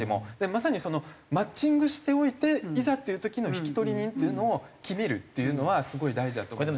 まさにマッチングしておいていざという時の引き取り人っていうのを決めるっていうのはすごい大事だと思いますよ。